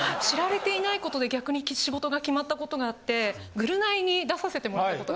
知られていないことで逆に仕事が決まった事があって『ぐるナイ』に出させてもらった。